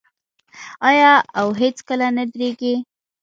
آیا او هیڅکله نه دریږي؟